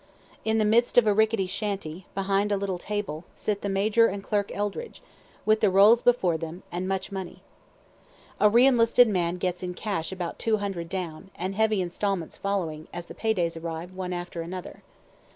In the midst of a rickety shanty, behind a little table, sit the major and clerk Eldridge, with the rolls before them, and much moneys. A re enlisted man gets in cash about $200 down, (and heavy instalments following, as the pay days arrive, one after another.)